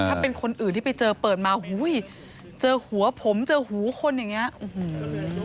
ถ้าเป็นคนอื่นที่ไปเจอเปิดมาอุ้ยเจอหัวผมเจอหูคนอย่างเงี้อื้อหือ